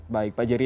baik pak jerry